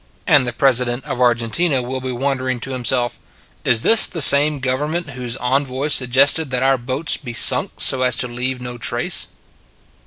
And the President of Argentina will be wondering to himself: " Is this the same government whose envoy suggested that our boats be sunk so as to leave no trace